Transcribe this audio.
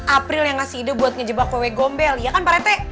april yang ngasih ide buat ngejebak kue gombel iya kan pak rete